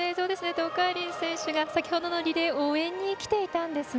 東海林選手が先ほどのリレー応援に来てたんですね。